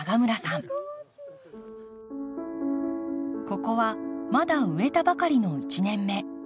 ここはまだ植えたばかりの１年目。